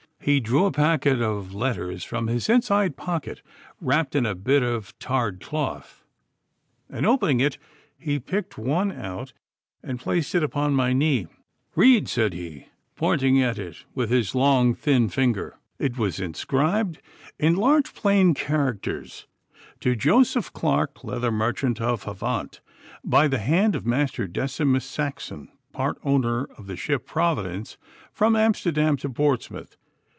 He drew a packet of letters from his inside pocket, wrapped in a bit of tarred cloth, and opening it he picked one out and placed it upon my knee. 'Read!' said he, pointing at it with his long thin finger. It was inscribed in large plain characters, 'To Joseph Clarke, leather merchant of Havant, by the hand of Master Decimus Saxon, part owner of the ship Providence, from Amsterdam to Portsmouth.